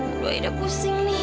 aduh aida pusing nih